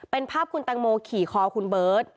เป็นภาพคุณแตงโมขี่คอคุณเบิร์ต